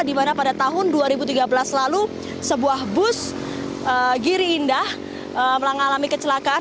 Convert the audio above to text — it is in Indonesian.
di mana pada tahun dua ribu tiga belas lalu sebuah bus giri indah mengalami kecelakaan